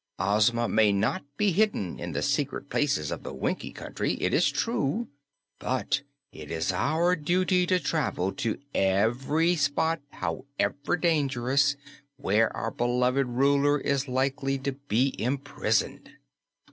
Ozma may not be hidden in the secret places of the Winkie Country, it is true, but it is our duty to travel to every spot, however dangerous, where our beloved Ruler is likely to be imprisoned."